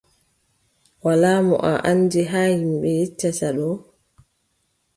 Walaa mo a anndi, haa ƴimɓe yeccata ɗo,